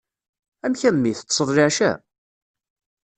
Amek a mmi! Teṭseḍ leɛca?